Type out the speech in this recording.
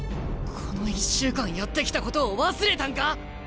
この１週間やってきたことを忘れたんか？